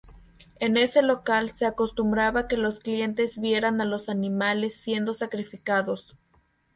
En ese local, se acostumbraba que los clientes vieran a los animales siendo sacrificados.